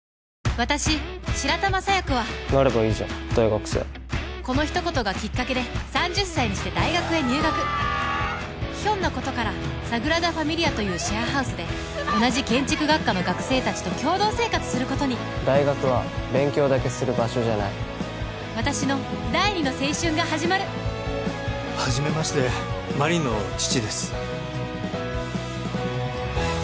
私白玉佐弥子はなればいいじゃん大学生この一言がきっかけで３０歳にして大学へ入学ひょんなことからサグラダファミリ家というシェアハウスで同じ建築学科の学生達と共同生活することに大学は勉強だけする場所じゃない私の第２の青春が始まるはじめまして真凛の父です